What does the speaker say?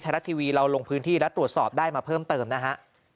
รัฐทีวีเราลงพื้นที่และตรวจสอบได้มาเพิ่มเติมนะฮะ